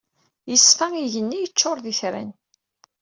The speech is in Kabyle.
Yeṣfa igenni yeččuṛ d itran.